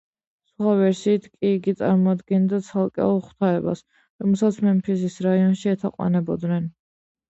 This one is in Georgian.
სხვა ვერსიით კი იგი წარმოადგენდა ცალკეულ ღვთაებას, რომელსაც მემფისის რაიონში ეთაყვანებოდნენ.